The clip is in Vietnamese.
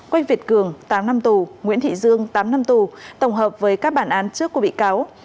quách việt cường tám năm tù nguyễn thị dương tám năm tù tổng hợp với các bản án trước của bị cáo